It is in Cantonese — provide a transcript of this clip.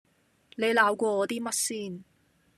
你鬧過我啲乜先